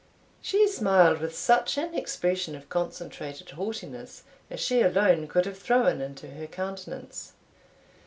She smiled with such an expression of concentrated haughtiness as she alone could have thrown into her countenance.